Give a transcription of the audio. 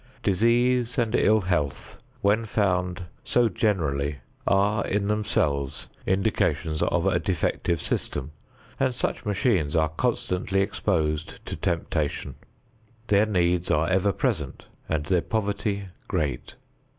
Disease and ill health, when found so generally, are in themselves indications of a defective system, and such machines are constantly exposed to temptation. Their needs are ever present and their poverty great.